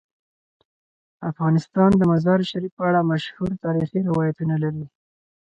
افغانستان د مزارشریف په اړه مشهور تاریخی روایتونه لري.